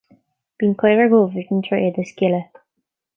Bíonn caora dhubh ar an tréad is gile